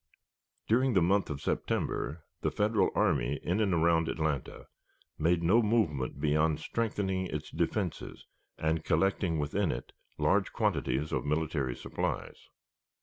During the month of September the Federal army in and around Atlanta made no movement beyond strengthening its defenses and collecting within it large quantities of military supplies.